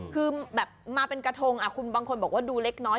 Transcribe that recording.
คือแบบมาเป็นกระทงคุณบางคนบอกว่าดูเล็กน้อย